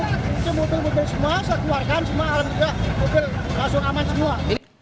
itu mobil mobil semua saya keluarkan semua alhamdulillah mobil langsung aman semua